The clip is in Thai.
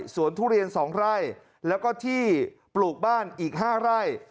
สวนทุเรียนสองไร่แล้วก็ที่ปลูกบ้านอีกห้าไร่